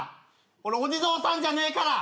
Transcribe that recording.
俺お地蔵さんじゃねえから！